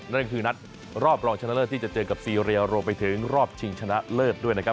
นั่นคือนัดรอบรองชนะเลิศที่จะเจอกับซีเรียรวมไปถึงรอบชิงชนะเลิศด้วยนะครับ